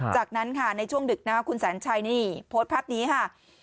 จากนั้นค่ะในช่วงดึกนะคุณแสนชัยนี่โพสต์ภาพนี้ค่ะ